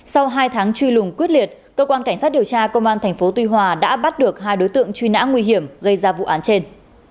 sau hai tháng truy lùng quyết liệt cơ quan cảnh sát điều tra công an tp tuy hòa đã bắt được hai đối tượng truy nã nguy hiểm gây ra vụ án trên